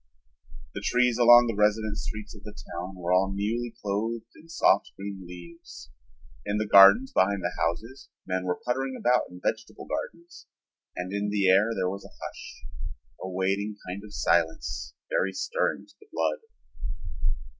The trees along the residence streets of the town were all newly clothed in soft green leaves, in the gardens behind the houses men were puttering about in vegetable gardens, and in the air there was a hush, a waiting kind of silence very stirring to the blood.